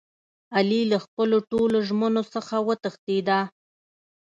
علي له خپلو ټولو ژمنو څخه و تښتېدا.